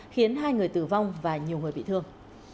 khiến hai người tử vong và nhiều người bị thương